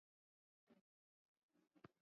ni kuwa hapa Marondera, ujio wake unatosha